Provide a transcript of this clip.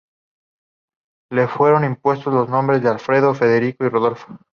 Le fueron impuestos los nombres de Alberto, Federico y Rodolfo.